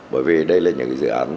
bởi vì đây là những cái dự án